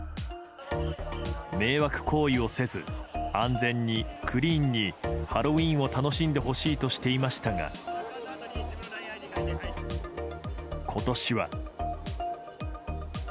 迷惑行為をせず安全にクリーンにハロウィーンを楽しんでほしいとしていましたが今年は。